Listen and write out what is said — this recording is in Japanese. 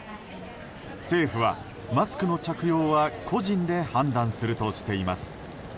政府はマスクの着用は個人で判断するとしています。